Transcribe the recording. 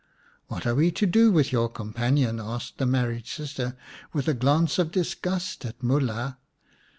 " What are we to do with your companion ?" asked the married sister, with a glance of disgust at 'Mulha.